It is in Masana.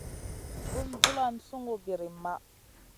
Bùn vulan sungu birim maʼh.